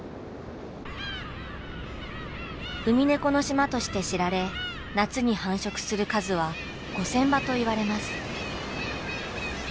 ウミネコの島として知られ夏に繁殖する数は５０００羽といわれます。